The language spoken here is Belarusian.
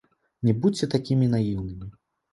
Не будзьце такімі наіўнымі.